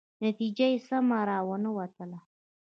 نتیجه یې سمه را ونه وتله.